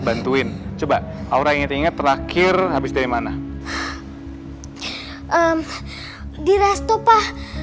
bantuin coba aura yang ingat terakhir habis dari mana di resto pak